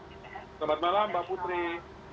selamat malam mbak putri